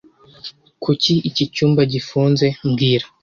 Kuki iki cyumba gifunze mbwira